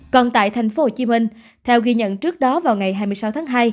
còn tại tp hcm theo ghi nhận trước đó vào ngày hai mươi sáu tháng hai